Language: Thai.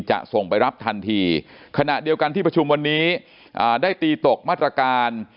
จะส่งไปรับทันทีขณะเดียวกันที่ประชุมวันนี้ได้ตีตกมาตรการ